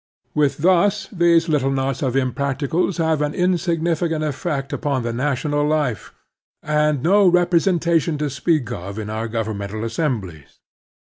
With us these little knots of impracti cables have an insignificant effect upon the Latitude and Longitude 53 national life, and no representation to speak of in our governmental assemblies.